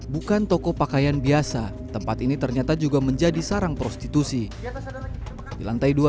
bukan toko pakaian biasa tempat ini ternyata juga menjadi sarang prostitusi di lantai dua